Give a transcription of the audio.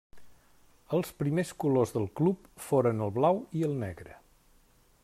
Els primers colors del club foren el blau i el negre.